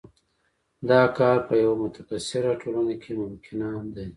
دا کار په یوه متکثره ټولنه کې ممکنه ده.